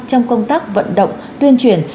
trong công tác vận động tuyên truyền